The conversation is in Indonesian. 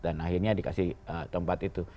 dan akhirnya dikasih tempat itu